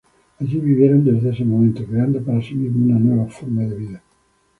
Allí vivieron desde ese momento, creando para sí mismos una nueva forma de vida.